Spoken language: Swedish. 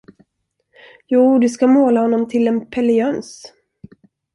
Jo du ska måla honom till en Pelle Jöns.